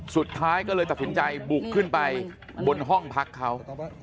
สุดท้ายก็เลยตัดสินใจบุกขึ้นไปบนห้องพักเขา